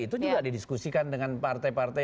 itu juga didiskusikan dengan partai partai